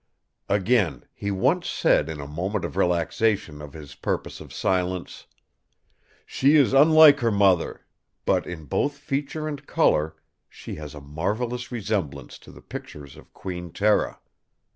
Again, he once said in a moment of relaxation of his purpose of silence: "'She is unlike her mother; but in both feature and colour she has a marvellous resemblance to the pictures of Queen Tera.